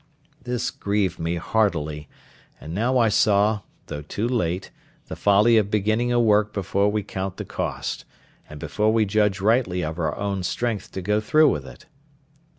This grieved me heartily; and now I saw, though too late, the folly of beginning a work before we count the cost, and before we judge rightly of our own strength to go through with it.